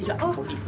ya ampun ibu